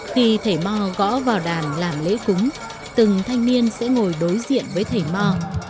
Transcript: khi thầy mo gõ vào đàn làm lễ cúng từng thanh niên sẽ ngồi đối diện với thầy mò